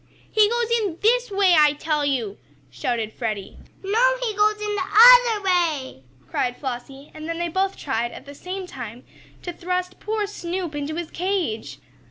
"He goes in this way, I tell you!" shouted Freddie. "No, he goes in the other way!" cried Flossie, and then they both tried, at the same time, to thrust poor Snoop into his cage.